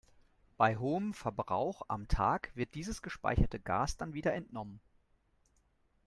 Bei hohem Verbrauch am Tag wird dieses gespeicherte Gas dann wieder entnommen.